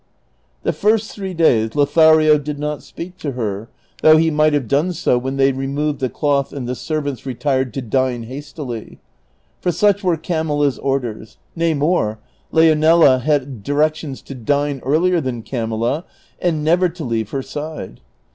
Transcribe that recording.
The first three days Lothario did not speak to her, though he might have done so when they removed the cloth and the servants retii'ed to dine hastily; for such were Camilla's orders; nay more, Leonela had directions to dine earlier than Camilla and never to leave her side.